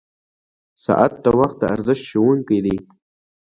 • ساعت د وخت د ارزښت ښوونکی دی.